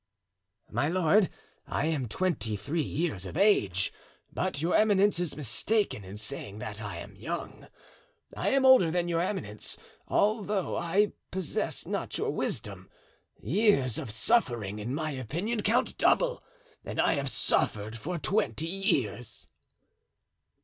"My lord, I am twenty three years of age; but your eminence is mistaken in saying that I am young. I am older than your eminence, although I possess not your wisdom. Years of suffering, in my opinion, count double, and I have suffered for twenty years."